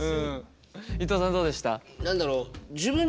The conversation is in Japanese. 伊藤さんどうでした？